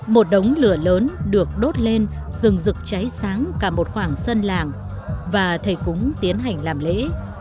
một đống lửa lớn được đốt lên dừng rực cháy sáng cả một khoảng sân làng và thầy cúng tiến hành làm lễ